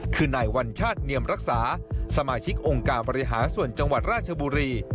คือนายวัญชาติเนียมรักษาสมาชิกองค์การบริหารส่วนจังหวัดราชบุรี